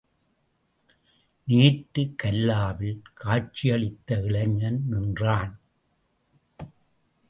நேற்று கல்லாவில் காட்சியளித்த இளைஞன் நின்றான்.